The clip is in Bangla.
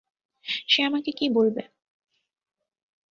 সে আমাকে কী বলবে?